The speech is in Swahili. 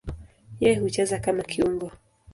Yeye hucheza kama kiungo.